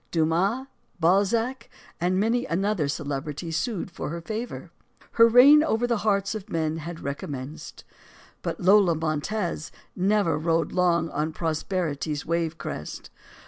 Dumas, Balzac, and many another celebrity sued for her favor. Her reign over the hearts of men had recommenced. But Lola Montez never rode long on prosperity's wave crest.